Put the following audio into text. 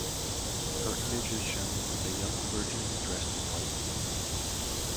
Her image is shown as a young virgin dressed in white.